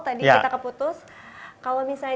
tadi kita keputus kalau misalnya